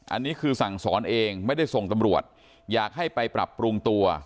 อันนี้คือสั่งสอนเองไม่ได้ส่งตำรวจอยากให้ไปปรับปรุงตัว